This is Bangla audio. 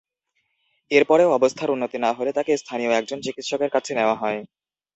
এরপরেও অবস্থার উন্নতি না হলে তাঁকে স্থানীয় একজন চিকিৎসকের কাছে নেওয়া হয়।